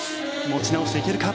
持ち直していけるか。